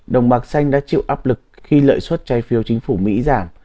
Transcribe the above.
đồng bạc xanh đã chịu áp lực khi lợi suất trái phiếu chính phủ mỹ giảm